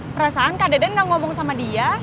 perasaan kak deden gak ngomong sama dia